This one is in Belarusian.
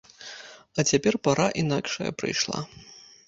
А цяпер пара інакшая прыйшла.